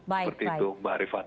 seperti itu mbak arifana